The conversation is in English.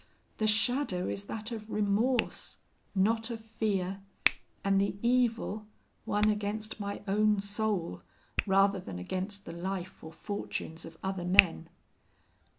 The shadow is that of remorse, not of fear, and the evil, one against my own soul, rather than against the life or fortunes of other men.